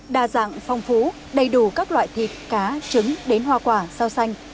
đa dạng phong phú đầy đủ các loại thịt cá trứng đến hoa quả rau xanh